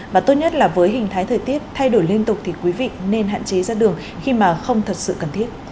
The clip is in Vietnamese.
và tốt nhất là với hình thái thời tiết thay đổi liên tục thì quý vị nên hạn chế ra đường khi mà không thật sự cần thiết